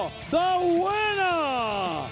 เพื่อรักษา